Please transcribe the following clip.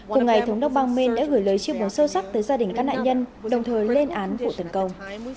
hôm ngày thống đốc bang maine đã gửi lời chiếc bóng sâu sắc tới gia đình các nạn nhân đồng thời lên án vụ tấn công